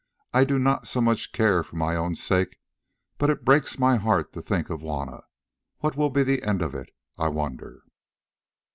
I do not so much care for my own sake, but it breaks my heart to think of Juanna. What will be the end of it, I wonder?"